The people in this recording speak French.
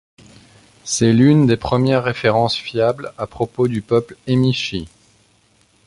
C'est l'une des premières références fiables à propos du peuple Emishi.